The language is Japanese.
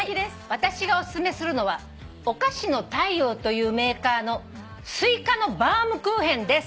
「私がお薦めするのはお菓子のたいようというメーカーのすいかのバウムクーヘンです」えっ！？